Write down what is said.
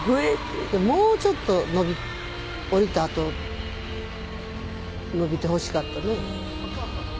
もうちょっと降りた後、伸びてほしかったね。